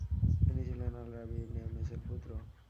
তিনি ছিলেন Al Rabi ibn ইউনূসের পূত্র।